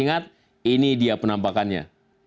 ingat ini dia penampakannya